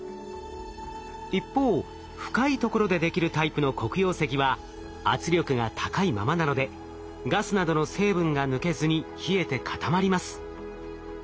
一方深いところでできるタイプの黒曜石は圧力が高いままなのでガスなどの成分が抜けずに冷えて固まります。